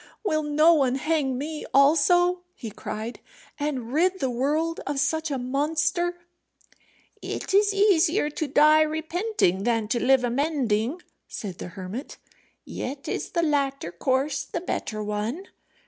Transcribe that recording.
"Will no one hang me also," he cried, "and rid the world of such a monster?" "It is easier to die repenting than to live amending," said the hermit; "yet is the latter course the better one.